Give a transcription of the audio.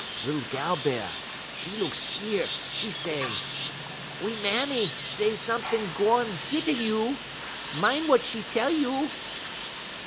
"Lil gal Bear, 'e look skeer; 'e say: "'We mammy say somet'ing gwan git a you. Min' wut 'e tell you.'